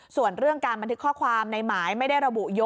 หทลวงเรื่องการตามมาไม่เลือก